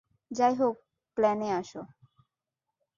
যাই হোক, প্ল্যানে আসো।